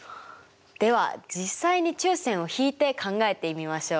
では実際に中線を引いて考えてみましょう。